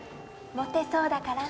モテそうだから。